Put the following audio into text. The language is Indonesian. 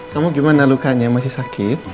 kamu gimana lukanya masih sakit